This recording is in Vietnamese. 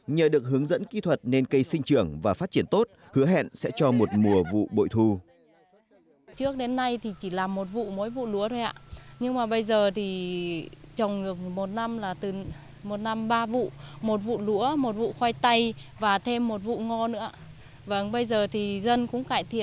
nhờ được hướng dẫn kỹ thuật nên cây sinh trưởng và phát triển tốt hứa hẹn sẽ cho một mùa vụ bội thu